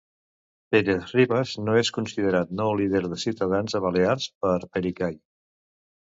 Pérez-Ribas no és considerat nou líder de Ciutadans a Balears per Pericay.